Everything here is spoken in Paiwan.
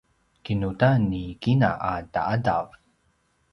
kinudan ni kina a ta’adav